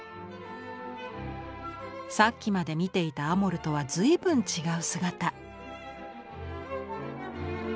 さっきまで見ていたアモルとは随分違う姿。